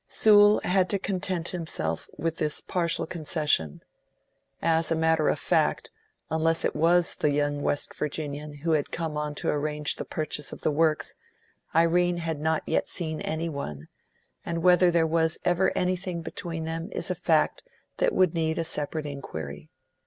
Sewell had to content himself with this partial concession. As a matter of fact, unless it was the young West Virginian who had come on to arrange the purchase of the Works, Irene had not yet seen any one, and whether there was ever anything between them is a fact that would need a separate inquiry.